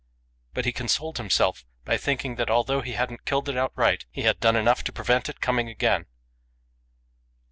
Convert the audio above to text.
But he consoled himself by thinking that although he hadn't killed it outright, he had done enough to prevent it coming again.